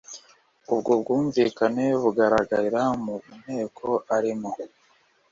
ubwo bwumvikane bugaragarira mu nteko arimo.